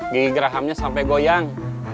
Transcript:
gigi gerahamnya sampai goyang